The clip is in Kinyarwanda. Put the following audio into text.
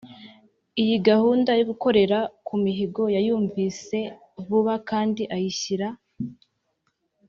Iyi gahunda yo gukorera ku mihigo yayumvise vuba kandi ayishyira